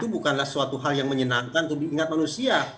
bukanlah suatu hal yang menyenangkan untuk diingat manusia